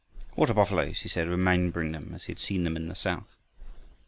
"Water buffaloes," he said, remembering them as he had seen them in the south.